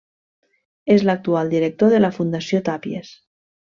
És l'actual director de la Fundació Tàpies.